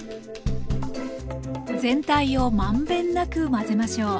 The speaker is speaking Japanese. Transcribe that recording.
全体を満遍なく混ぜましょう。